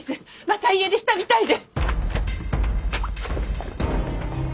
また家出したみたいで。